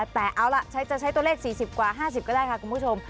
แต่เอาล่ะจะใช้ตัวเลข๔๐กว่า๕๐ก็ได้ค่ะคุณผู้ชม